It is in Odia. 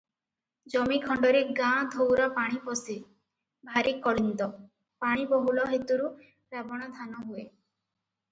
ଜମିଖଣ୍ତରେ ଗାଁ ଧୋଉରା ପାଣି ପଶେ, ଭାରି କଳିନ୍ଦ, ପାଣିବହୁଳ ହେତୁରୁ ରାବଣା ଧାନ ହୁଏ ।